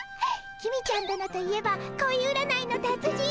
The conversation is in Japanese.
公ちゃん殿といえば恋占いの達人！